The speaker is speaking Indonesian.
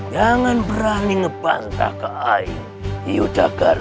jangan berani ngebantah ke air yudhakara